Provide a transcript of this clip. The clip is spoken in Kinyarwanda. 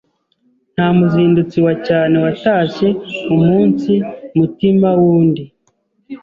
nta muzindutsi wa cyane watashye umunsi mutima w’undi